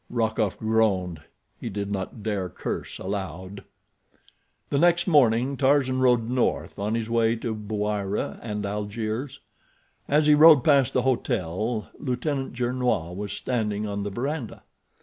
Rokoff groaned. He did not dare curse aloud. The next morning Tarzan rode north on his way to Bouira and Algiers. As he had ridden past the hotel Lieutenant Gernois was standing on the veranda.